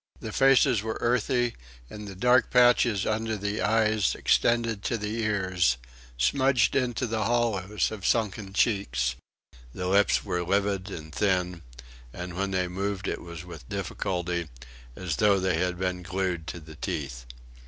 The faces were earthy, and the dark patches under the eyes extended to the ears, smudged into the hollows of sunken cheeks. The lips were livid and thin, and when they moved it was with difficulty, as though they had been glued to the teeth.